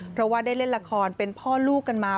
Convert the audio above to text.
เพราะว่าได้เล่นละครเป็นพ่อลูกกันมา